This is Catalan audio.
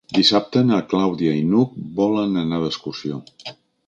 Dissabte na Clàudia i n'Hug volen anar d'excursió.